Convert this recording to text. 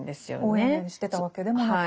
応援してたわけでもなく。